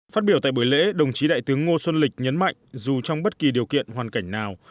phát biểu tại buổi lễ đồng chí đại tướng ngô xuân lịch nhấn mạnh dù trong bất kỳ điều kiện hoàn cảnh nào